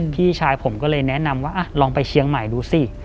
พี่ชายผมก็เลยแนะนำว่าลองไปเชียงใหม่ดูสิ